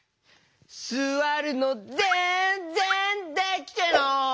すわるのぜんぜんできてない！